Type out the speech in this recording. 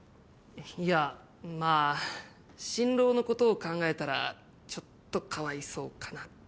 いやまあ新郎のことを考えたらちょっとかわいそうかなって。